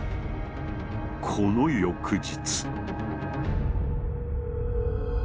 この翌日。